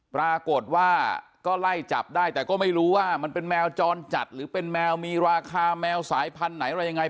ปรากฏว่าก็ไล่จับได้แต่ก็ไม่รู้ว่ามันเป็นแมวจรจัดหรือเป็นแมวมีราคาแมวสายพันธุ์ไหนอะไรยังไง